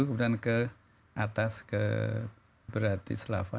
kemudian ke atas ke bratislava